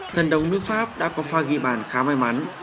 thần đống nước pháp đã có pha ghi bản khá may mắn